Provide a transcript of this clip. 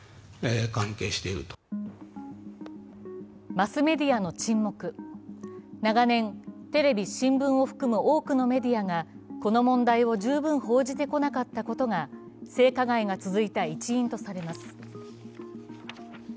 マスメディアの沈黙、長年、テレビ・新聞を含む多くのメディアがこの問題を十分報じてこなかったことが性加害が続いた一因とされます。